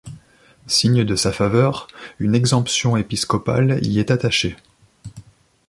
Signe de sa faveur, une exemption épiscopale y est attachée.